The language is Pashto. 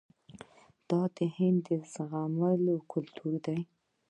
دا د هند د زغم کلتور دی.